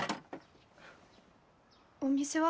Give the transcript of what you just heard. お店は？